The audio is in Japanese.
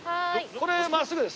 これ真っすぐです。